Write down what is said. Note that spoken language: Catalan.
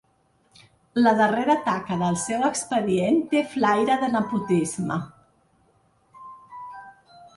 La darrera taca del seu expedient té flaire de nepotisme.